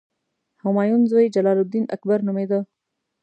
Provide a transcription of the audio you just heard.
همایون زوی جلال الدین اکبر نومېده.